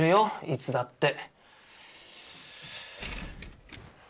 いつだって。